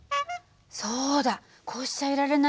そうだこうしちゃいられない。